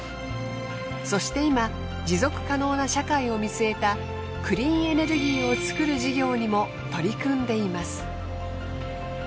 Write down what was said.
そして今持続可能な社会を見据えたクリーンエネルギーを作る事業にも取り組んでいます。